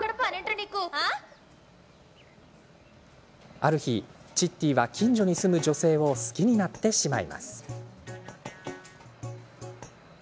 ある日チッティは、近所に住む女性を好きになってしまいます。